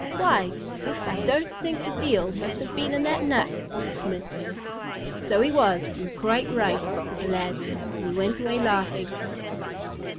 "Why! if I don't think the Deil must have been in that nut," said the smith. "So he was; you're quite right," said the lad, as he went away laughing.